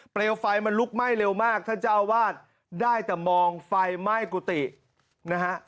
ไฟมันลุกไหม้เร็วมากท่านเจ้าอาวาสได้แต่มองไฟไหม้กุฏินะฮะ